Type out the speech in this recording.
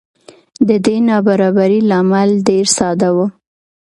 د دې نابرابرۍ لامل ډېر ساده و